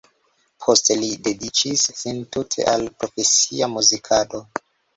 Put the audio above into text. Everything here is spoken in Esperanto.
Poste li dediĉis sin tute al profesia muzikado.